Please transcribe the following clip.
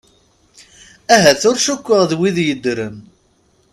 Ahat ur cukteɣ d wid yeddren?